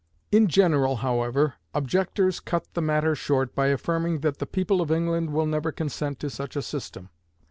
In general, however, objectors cut the matter short by affirming that the people of England will never consent to such a system.